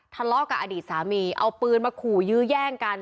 ทะเลาะกับอดีตสามีเอาปืนมาขู่ยื้อแย่งกัน